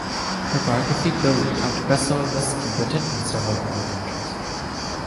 Her biography "Billy" topped best-seller lists in Britain and several other countries.